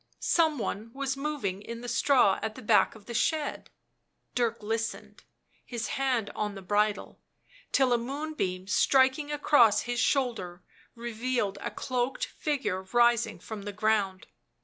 Some one was moving in the straw at the back of the shed. Dirk listened, his hand on the bridle, till a moonbeam striking across his shoulder revealed a cloaked figure rising from the ground.